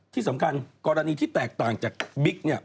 ที่สำคัญกรณีที่แตกต่างจากบิ๊กเนี่ย